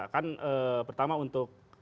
kan pertama untuk